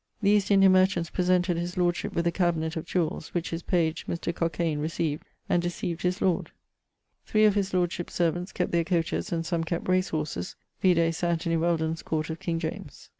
The East India merchants presented his lordship with a cabinet of jewells, which his page, Mr. Cockaine, recieved, and decieved his lord. Three of his lordship's servants[XIII.] kept their coaches, and some kept race horses vide Sir Anthony Welden's Court of King James. [XIII.